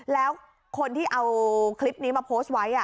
แล้วคนที่เอาคลิปนี้มาโพสต์ไว้